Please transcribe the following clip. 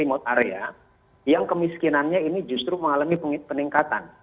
remote area yang kemiskinannya ini justru mengalami peningkatan